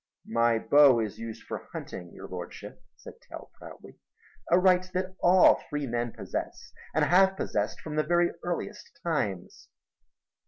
"My bow is used for hunting, your Lordship," said Tell proudly, "a right that all free men possess and have possessed from the very earliest times."